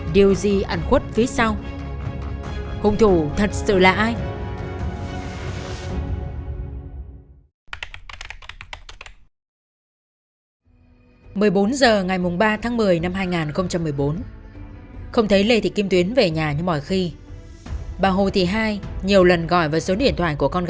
điều gì ẩn khuất phía sau